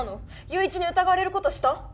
友一に疑われる事した？